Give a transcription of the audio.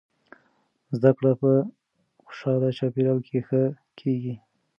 زده کړه په خوشحاله چاپیریال کې ښه کیږي.